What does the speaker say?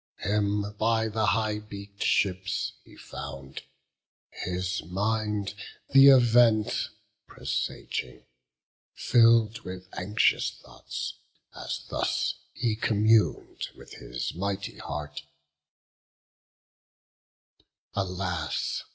Him by the high beak'd ships he found, his mind Th' event presaging, fill'd with anxious thoughts, As thus he commun'd with his mighty heart: "Alas!